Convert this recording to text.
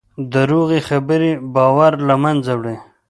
دروغې خبرې باور له منځه وړي.